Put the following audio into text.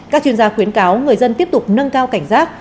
các chuyên gia khuyến cáo người dân tiếp tục nâng cao cảnh giác